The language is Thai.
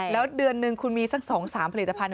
แล้วเดือนหนึ่งคุณมีสัก๒๓ผลิตภัณฑ์